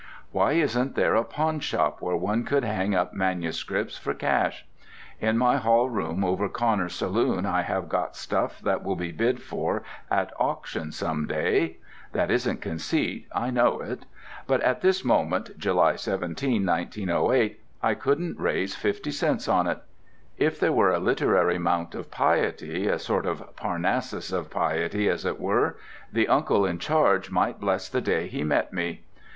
"Why isn't there a pawnshop where one could hang up MSS. for cash? In my hallroom over Connor's saloon I have got stuff that will be bid for at auctions some day (that isn't conceit, I know it), but at this moment, July 17, 1908, I couldn't raise 50 cents on it. If there were a literary mount of piety—a sort of Parnassus of piety as it were—the uncle in charge might bless the day he met me.